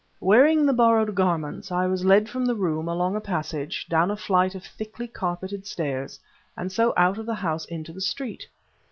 Wearing the borrowed garments, I was led from the room, along a passage, down a flight of thickly carpeted stairs, and so out of the house into the street.